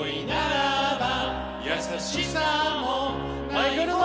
はいくるぞ！